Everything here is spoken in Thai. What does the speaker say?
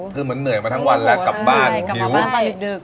คือเหมือนเหนื่อยมาทั้งวันแล้วกลับบ้านกลับไปพาอึดอึก